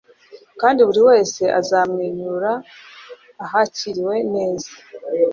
kandi buri wese azamwenyura ahakiriwe neza